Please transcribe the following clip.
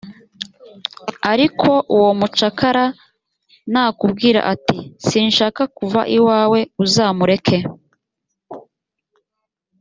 ariko uwo mucakara nakubwira ati «sinshaka kuva iwawe uzamureke»